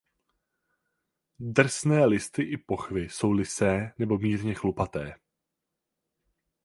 Drsné listy i pochvy jsou lysé nebo mírně chlupaté.